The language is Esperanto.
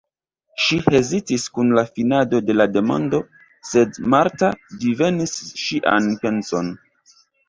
Ŝi hezitis kun la finado de la demando, sed Marta divenis ŝian penson.